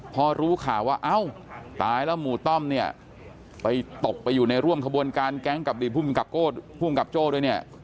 พอรู้ข่าวว่าเอ้าตายแล้วหมู่ต้อมเนี่ยไปตกไปอยู่ในร่วมขบวนการแก๊งกับอดีตภูมิกับภูมิกับโจ้ด้วยเนี่ย